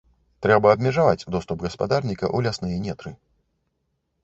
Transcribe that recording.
Трэба абмежаваць доступ гаспадарніка ў лясныя нетры.